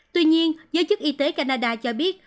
tuy nhiên giới chức y tế canada cho biết